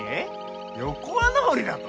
横穴掘りだと？